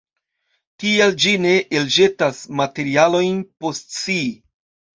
Tial ĝi ne elĵetas materialojn post si.